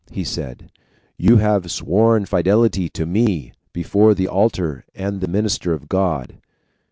he said, "you have sworn fidelity to ME before the altar and the minister of God!